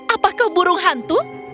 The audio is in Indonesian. apakah burung hantu